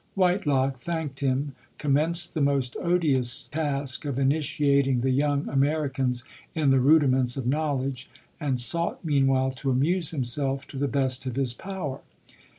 Whitelock thanked him ; commenced the most odious task of initiating the young Americans in the rudi ments of knowledge, and sought meanwhile : i amuse himself to the best of his power.